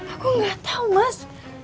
aku gak tau mas